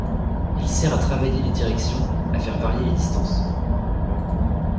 Il sert à travailler les directions, à faire varier les distances.